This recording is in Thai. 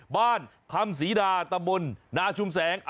บ้านคำสีดาตะบุลนะชุ่มแสง